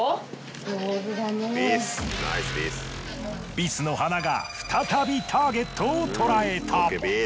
ビスの鼻が再びターゲットをとらえた。